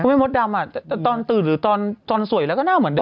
มดดำตอนตื่นหรือตอนสวยแล้วก็หน้าเหมือนเดิ